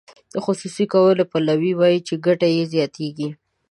د خصوصي کولو پلوي وایي چې ګټه یې زیاتیږي.